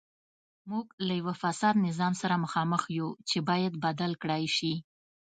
موږ له یوه فاسد نظام سره مخامخ یو چې باید بدل کړای شي.